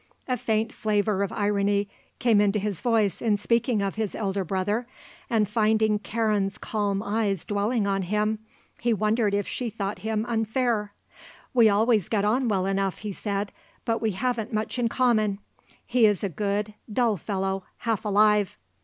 A faint flavour of irony came into his voice in speaking of his elder brother and finding Karen's calm eyes dwelling on him he wondered if she thought him unfair. "We always get on well enough," he said, "but we haven't much in common. He is a good, dull fellow, half alive."